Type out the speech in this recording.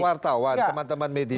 wartawan teman teman media